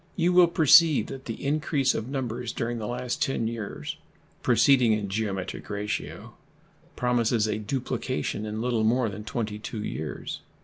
You will perceive that the increase of numbers during the last 10 years, proceeding in geometric ratio, promises a duplication in little more than 22 years.